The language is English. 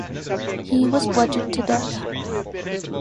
He was bludgeoned to death.